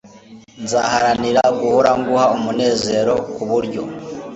nzaharanira guhora nguha umunezero kuburyo